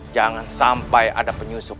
jangan sampai ada penyusup